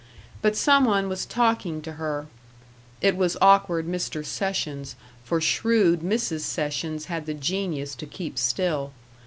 But some one was talking to her. (It was awkward Mr. Sessions, for shrewd Mrs. Sessions had the genius to keep still.)